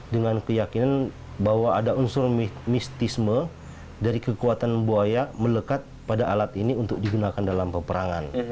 dengan keyakinan bahwa ada unsur mistisme dari kekuatan buaya melekat pada alat ini untuk digunakan dalam peperangan